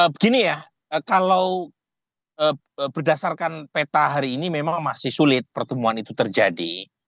begini ya kalau berdasarkan peta hari ini memang masih sulit pertemuan itu terjadi